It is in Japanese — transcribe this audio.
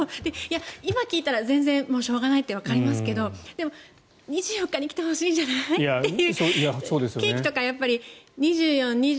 今、聞いたら全然、しょうがないってわかりますけどでも、２４日に来てほしいじゃないっていう。